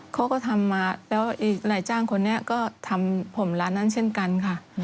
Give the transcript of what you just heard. เขาก็ทำมาแล้วนายจ้างคนนี้ก็ทำผมร้านนั้นเช่นกันค่ะ